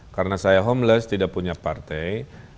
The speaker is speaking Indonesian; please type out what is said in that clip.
karena saya homeless tidak punya partai